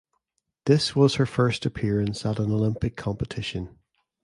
This was her first appearance at an Olympic competition.